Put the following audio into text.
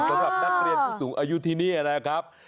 สำหรับนักเรียนผู้สูงอายุที่นี่นะครับ